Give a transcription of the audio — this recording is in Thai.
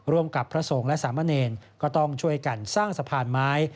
ร่วมกับพระสงฆ์และสามเณรก็ต้องช่วยกันสร้างสะพานไม้